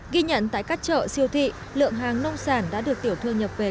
ghi nhận tại các chợ siêu thị lượng hàng nông sản đã được tiểu thương nhập về